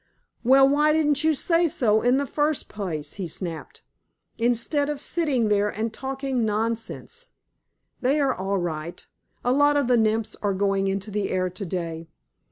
"Well, why didn't you say so in the first place," he snapped, "instead of sitting there and talking nonsense! They are all right. A lot of the Nymphs are going into the air to day!"